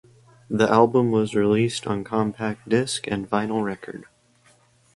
The album was released on compact disc and vinyl record.